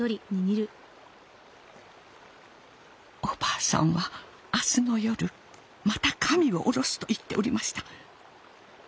お婆さんは明日の夜また神を降ろすと言っておりました。